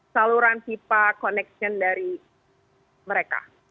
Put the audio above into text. saluran pipa connection dari mereka